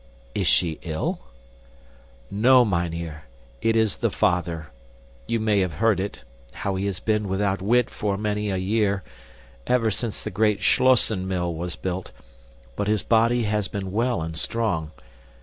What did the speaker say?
"Is she ill?" "No, mynheer. It is the father. You may have heard it, how he has been without wit for many a year ever since the great Schlossen Mill was built; but his body has been well and strong.